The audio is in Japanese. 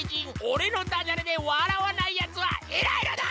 おれのダジャレでわらわないやつはいないのだ！